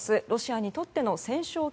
ロシアにとっての戦勝